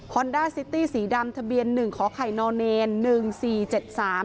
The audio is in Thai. ด้าซิตี้สีดำทะเบียนหนึ่งขอไข่นอเนรหนึ่งสี่เจ็ดสาม